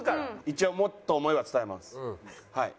一応もっと想いは伝えますはい。